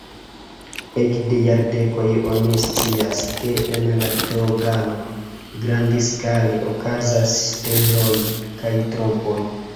Ekde jardekoj oni scias, ke en la dogano grandskale okazas ŝteloj kaj trompoj.